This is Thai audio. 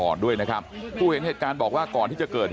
แล้วป้าไปติดหัวมันเมื่อกี้แล้วป้าไปติดหัวมันเมื่อกี้